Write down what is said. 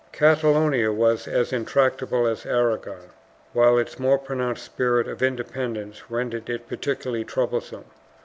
1 Catalonia was as intractable as Aragon, while its more pro nounced spirit of independence rendered it particularly trouble some.